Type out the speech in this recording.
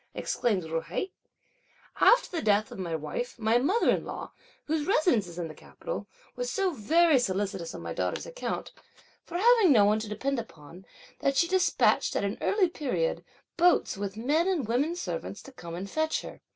exclaimed Ju hai. "After the death of my wife, my mother in law, whose residence is in the capital, was so very solicitous on my daughter's account, for having no one to depend upon, that she despatched, at an early period, boats with men and women servants to come and fetch her.